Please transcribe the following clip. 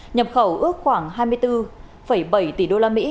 nhập khẩu ước khoảng hai mươi bốn bảy tỷ usd